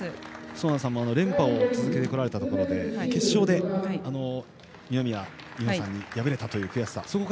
園田さんも連覇を続けてこられたところで決勝で敗れたという悔しさ。